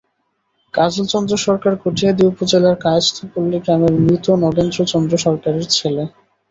কাজল চন্দ্র সরকার কটিয়াদী উপজেলার কায়েস্থপল্লি গ্রামের মৃত নগেন্দ্র চন্দ্র সরকারের ছেলে।